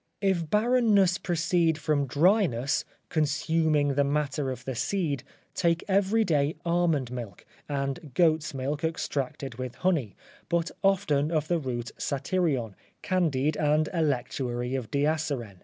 If barrenness proceed from dryness, consuming the matter of the seed; take every day almond milk, and goat's milk extracted with honey, but often of the root satyrion, candied, and electuary of diasyren.